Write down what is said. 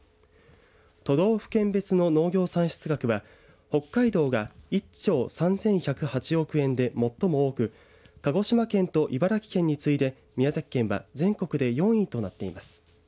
都道府県別の農業産出額は北海道が１兆３１０８億円で最も多く鹿児島県と茨城県に次いで宮崎県は全国で４位となっています。